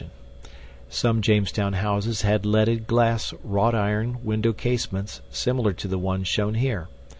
] [Illustration: SOME JAMESTOWN HOUSES HAD LEADED GLAZED WROUGHT IRON WINDOW CASEMENTS SIMILAR TO THE ONES SHOWN HERE.